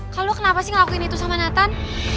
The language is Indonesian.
kalo lu kenapa sih ngelakuin itu sama nathan